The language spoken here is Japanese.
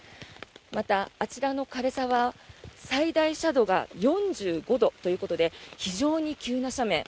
また、あちらの枯れ沢最大斜度が４５度ということで非常に急な斜面。